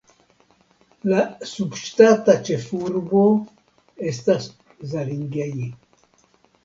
La subŝtata ĉefurbo estas Zalingei.